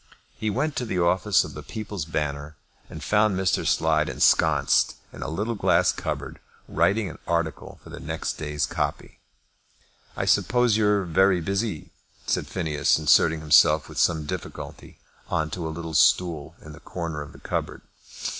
He went to the office of the People's Banner, and found Mr. Slide ensconced in a little glass cupboard, writing an article for the next day's copy. "I suppose you're very busy," said Phineas, inserting himself with some difficulty on to a little stool in the corner of the cupboard.